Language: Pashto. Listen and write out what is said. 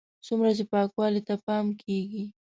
څومره چې پاکوالي ته پام کېږي.